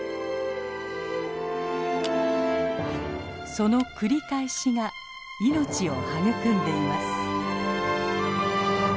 その繰り返しが命を育んでいます。